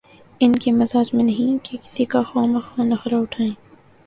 ان کے مزاج میں نہیں کہ کسی کا خواہ مخواہ نخرہ اٹھائیں۔